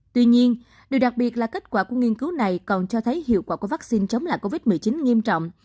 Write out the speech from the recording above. tuy nhiên điều đặc biệt là kết quả của nghiên cứu này còn cho thấy hiệu quả của vaccine chống lại covid một mươi chín nghiêm trọng